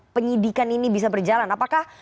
penyidikan ini bisa berjalan apakah